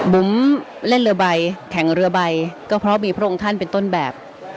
บุ๋มเล่นเรือใบแข่งเรือใบก็เพราะมีพระองค์ท่านเป็นต้นแบบ